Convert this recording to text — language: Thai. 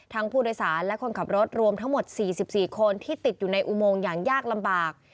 ผู้โดยสารและคนขับรถรวมทั้งหมด๔๔คนที่ติดอยู่ในอุโมงอย่างยากลำบาก